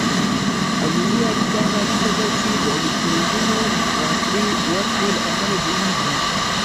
آیوني اړیکه هغه اړیکه ده چې د الکترونونو راکړې ورکړې له امله جوړیږي.